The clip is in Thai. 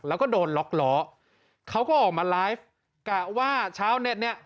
แล้วก็โดนล็อกล้อเขาก็ออกมาไลฟ์กะว่าชาวเน็ตเนี่ย